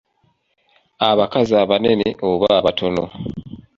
Abakazi abanene oba abatono.